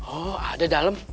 oh ada dalem